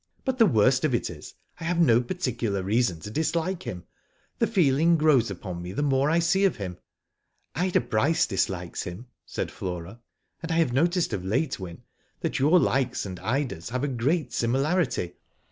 "But the worst of it is, I have no particular reason to dis like him. The feeling grows upon me the more I see of him." "Ida Bryce dislikes him," said Flora; "and I have noticed of late, Wyn, that your likes and Ida's have a great similarity."